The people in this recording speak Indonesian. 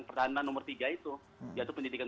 pertahanan nomor tiga itu yaitu pendidikan